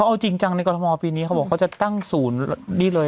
เอาจริงในกรมวรปีนี้พวกเขาจะตั้งศูนย์นี่เลย